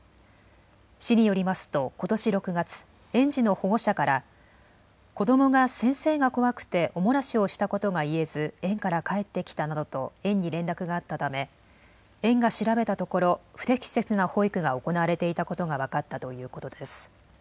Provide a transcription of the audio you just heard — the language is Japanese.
市によりますとことし６月、園児の保護者から子どもが先生が怖くてお漏らしをしたことが言えず園から帰ってきたなどと園に連絡があったため園が調べたところ不適切な保育が行われていたことが分かったということです。